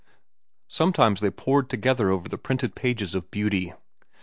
Sometimes they pored together over the printed pages of beauty.